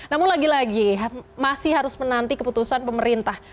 namun lagi lagi masih harus menanti keputusan pemerintah